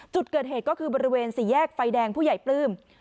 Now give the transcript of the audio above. จุดเกิดเหตุก็คือบริเวณสี่แยกไฟแดงผู้ใหญ่ปลื้ม